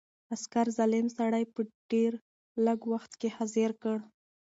عسکرو ظالم سړی په ډېر لږ وخت کې حاضر کړ.